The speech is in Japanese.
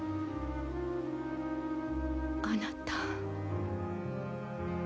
あなた。